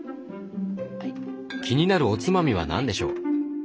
気になるおつまみは何でしょう？